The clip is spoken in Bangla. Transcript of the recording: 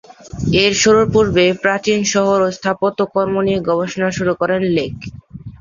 এর শুরুর পূর্বে প্রাচীন শহর ও স্থাপত্য কর্ম নিয়ে নিয়ে গবেষণা শুরু করেন লেক।